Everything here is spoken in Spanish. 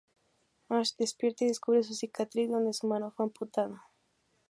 Ash despierta y descubre su cicatriz donde su mano fue amputada.